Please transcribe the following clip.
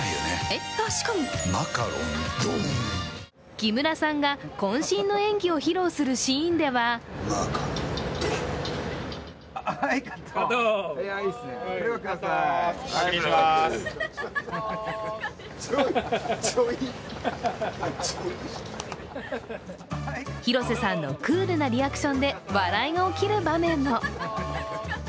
木村さんがこん身の演技を披露するシーンでは広瀬さんのクールなリアクションで笑いが起きる場面も。